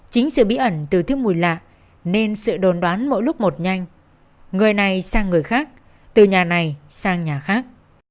chính sự bí ẩn từ thiên mùi lạ nên sự đồn đoán mỗi lúc một nhanh người này sang người khác từ nhà này sang nhà khác